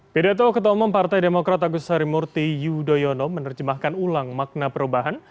pidato ketua umum partai demokrat agus harimurti yudhoyono menerjemahkan ulang makna perubahan